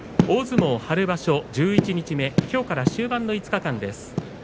大相撲春場所十一日目きょうから終盤の５日間です。